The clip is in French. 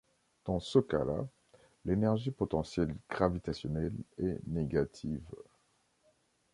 Dans ce cas-là, l'énergie potentielle gravitationnelle est négative.